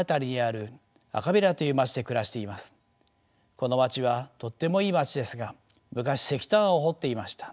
この町はとってもいい町ですが昔石炭を掘っていました。